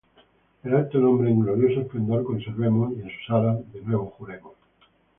el alto nombre en glorioso esplendor conservemos y en sus aras de nuevo juremos